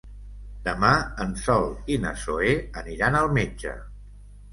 Demà en Sol i na Zoè aniran al metge.